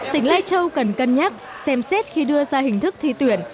tỉnh lai châu cần cân nhắc xem xét khi đưa ra hình thức thi tuyển